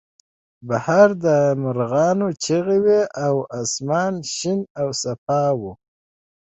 بهر د مرغانو چغې وې او اسمان شین او صاف و